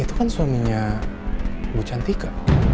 itu kan suaminya bu cantika